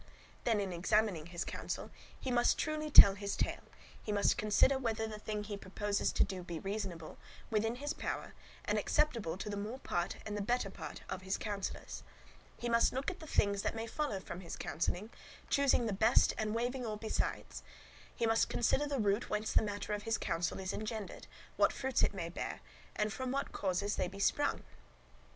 Then, in examining his counsel, he must truly tell his tale; he must consider whether the thing he proposes to do be reasonable, within his power, and acceptable to the more part and the better part of his counsellors; he must look at the things that may follow from that counselling, choosing the best and waiving all besides; he must consider the root whence the matter of his counsel is engendered, what fruits it may bear, and from what causes they be sprung.